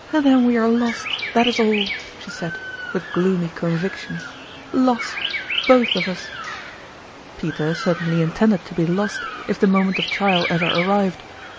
" Then we are lost, that is all !" she said, 120 ottrmalin'0 Cimc with gloomy conviction. " Lost, both of us!" Peter certainly intended to be lost if the moment of trial ever arrived.